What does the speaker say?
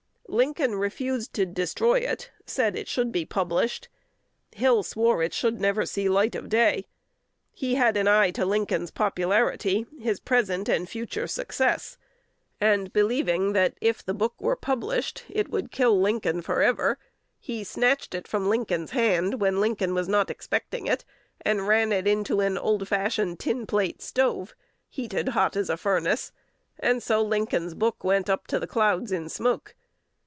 Lincoln refused to destroy it, said it should be published. Hill swore it should never see light of day. He had an eye, to Lincoln's popularity, his present and future success; and believing, that if the book were published, it would kill Lincoln forever, he snatched it from Lincoln's hand, when Lincoln was not expecting it, and ran it into an old fashioned tin plate stove, heated as hot as a furnace; and so Lincoln's book went up to the clouds in smoke.